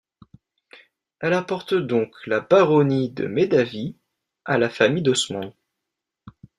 Elle apporte donc la baronnie de Médavy à la famille d'Osmond.